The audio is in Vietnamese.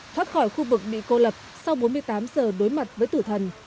thoát khỏi khu vực bị cô lập sau bốn mươi tám giờ đối mặt với tử thần